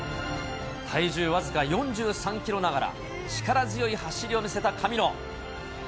体重僅か４３キロながら、力強い走りを見せた神野。